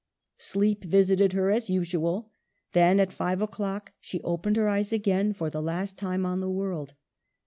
Sleep visited her as usual ; then at 5 o'clock she opened her eyes again, for the last time on the world.